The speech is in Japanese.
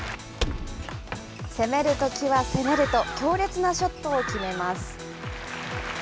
攻めるときは攻めると、強烈なショットを決めます。